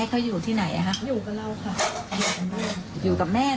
แล้วตอนนี้ศาลให้ประกันตัวออกมาแล้ว